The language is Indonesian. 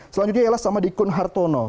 selanjutnya ialah sama dikun hartono